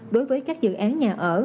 đối với các dự án nhà ở